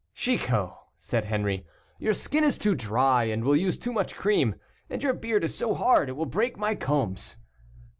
"Chicot," said Henri, "your skin is too dry, and will use too much cream, and your beard is so hard, it will break my combs.